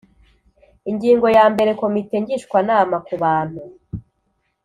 Ingingo ya mbere Komite ngishwanama ku bantu